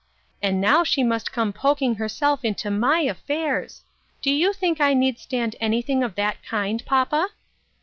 And now she must come pok ing herself into my affairs. Do you think I need stand anything of that kind, papa